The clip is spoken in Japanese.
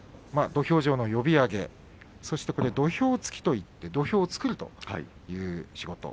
土俵上の呼び上げそして土俵築といって土俵を作るという仕事。